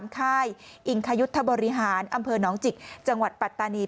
ค่ายอิงคยุทธบริหารอำเภอหนองจิกจังหวัดปัตตานี